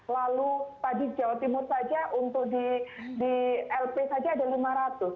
lalu tadi jawa timur saja untuk di lp saja ada lima ratus